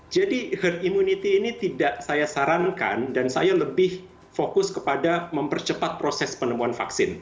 jadi herd immunity ini tidak saya sarankan dan saya lebih fokus kepada mempercepat proses penemuan vaksin